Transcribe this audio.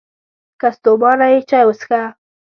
که ستومانه یې، چای وڅښه!